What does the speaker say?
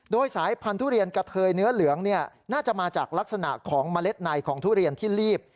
โดยสายพันธุเรียนกะเทยเนื้อเหลืองน่าจะมาจากลักษณะของเมล็ดในของทุเรียนที่ลีบ